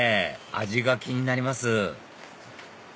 味が気になります